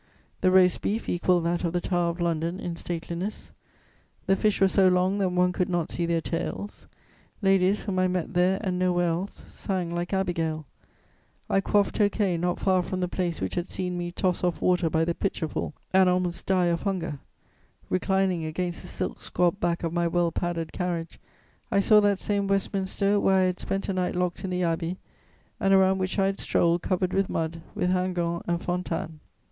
The roast beef equalled that of the Tower of London in stateliness; the fish were so long that one could not see their tails; ladies, whom I met there and nowhere else, sang like Abigail. I quaffed tokay not far from the place which had seen me toss off water by the pitcherful and almost die of hunger; reclining against the silk squabbed back of my well padded carriage, I saw that same Westminster where I had spent a night locked in the Abbey, and around which I had strolled, covered with mud, with Hingant and Fontanes.